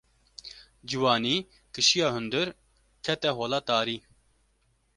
Ciwanî kişiya hundir, kete hola tarî.